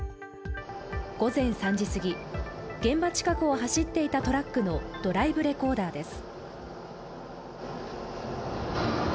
午前３時すぎ、現場近くを走っていたトラックのドライブレコーダーです。